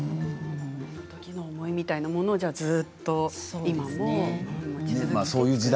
その時の思いみたいなものを今もずっと持ち続けて。